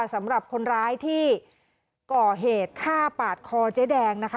สำหรับคนร้ายที่ก่อเหตุฆ่าปาดคอเจ๊แดงนะคะ